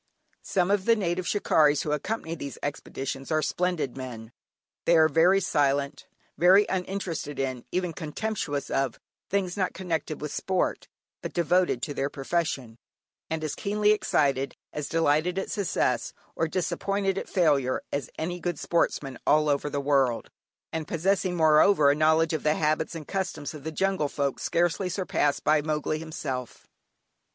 Some of the native "shikarries" who accompany these expeditions are splendid men. They are very silent, very uninterested in, even contemptuous of, things not connected with sport, but devoted to their profession, and as keenly excited, as delighted at success, or disappointed at failure, as any good sportsman all the world over; and possessing moreover a knowledge of the habits and customs of the jungle folk scarcely surpassed by "Mowgli" himself.